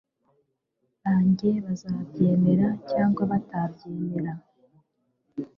banjye bazabyemera cyangwa batabyemera